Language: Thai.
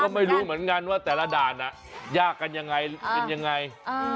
ไม่รู้เหมือนกันว่าแต่ละด่านยากกันยังไงเป็นยังไง